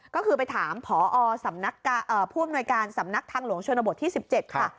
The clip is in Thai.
ก็คือไปถามผศผู้อำนวยการสำนักทางหลวงชนบท๑๗ค่ะ